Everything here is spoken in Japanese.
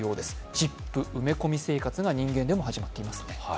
チップ埋め込み生活が人間でも始まっています。